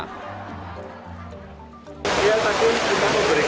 kita takut kita memberikan bantuan seperti upah